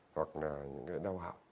hoặc là những cái đau hạng